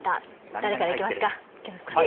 誰からいきますか？